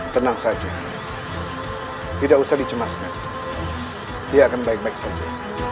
tenang saja tidak usah dicemaskan dia akan baik baik saja